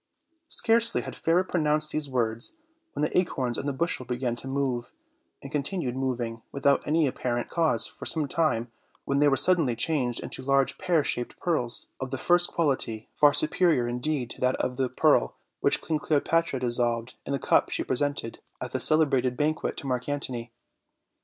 Scarcely had Fairer pronounced these words when the acorns in the bushel began to move, and continued mov ing, without any apparent cause, for some time, when they were suddenly changed into large pear shaped pearls, of the first quality, far superior, indeed, to that of the pearl which Queen Cleopatra dissolved in the cup she pre sented at the celebrated banquet to Mark Antony.